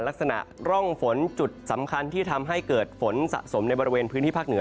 ลักษณะร่องฝนจุดสำคัญที่ทำให้เกิดฝนสะสมในบริเวณพื้นที่ภาคเหนือ